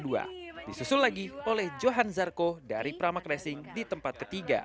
disusul lagi oleh johan zarko dari pramag racing di tempat ke tiga